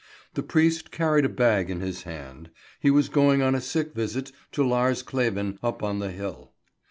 The priest carried a bag in his hand. He was going on a sick visit to Lars Kleven up on the hill.